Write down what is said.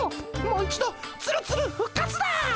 もう一度ツルツル復活だ！